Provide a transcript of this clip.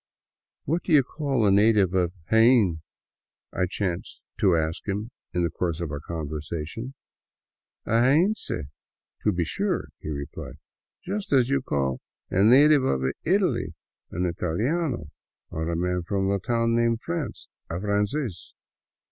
" What do you call a native of Jaen ?" I chanced to ask him in the course of our conversation. " A Jaense, to be sure," he replied. " Just as you call a native of Italy an italiano, or a man from the town named France a f ranees."